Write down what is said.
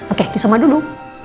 oke kisah omah dulu